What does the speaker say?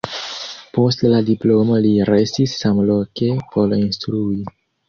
Post la diplomo li restis samloke por instrui.